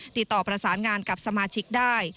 ติดต่อประสานงานกับสมาชิกได้